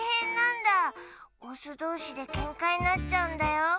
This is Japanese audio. オスどうしでケンカになっちゃうんだよ。